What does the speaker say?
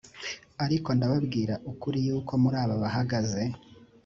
ariko ndababwira ukuri yuko muri aba bahagaze